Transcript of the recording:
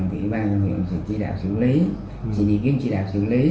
thì ủy ban dân hiệu sẽ chỉ đạo xử lý chỉ nhìn kiếm chỉ đạo xử lý